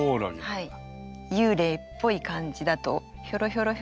はい。